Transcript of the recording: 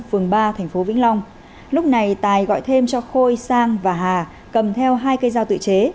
phường ba thành phố vĩnh long lúc này tài gọi thêm cho khôi sang và hà cầm theo hai cây dao tự chế